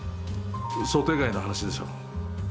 想定外の話でしょ。